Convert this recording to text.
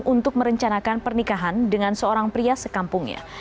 untuk merencanakan pernikahan dengan seorang pria sekampungnya